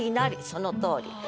そのとおり。